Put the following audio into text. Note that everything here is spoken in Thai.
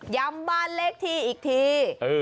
ย้ำบ้านเลขที่อีกที๒๑๑๑๙